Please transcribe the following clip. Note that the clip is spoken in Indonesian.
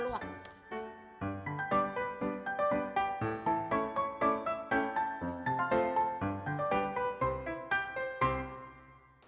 udah panas lho